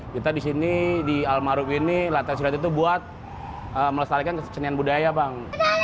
kita di sini di almarhum ini latihan silat itu buat melestarikan kesenian budaya bang